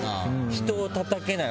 人をたたけない。